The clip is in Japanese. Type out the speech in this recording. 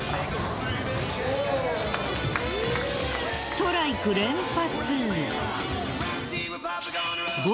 ストライク連発！